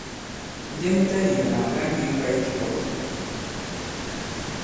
Njɛ nu tayī àlà àla ndì ki kwāye ki ɓɔtà?